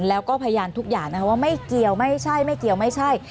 แล้วก็พยานทุกอย่างนะคะว่าไม่เกี่ยวไม่ใช่ไม่เกี่ยวไม่ใช่